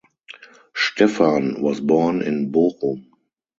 Stephan was born in Bochum.